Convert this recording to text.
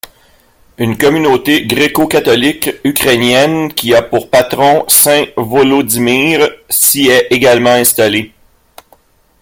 Une communauté gréco-catholique ukrainienne qui a pour patron Saint Volodymyr s'y est également installée.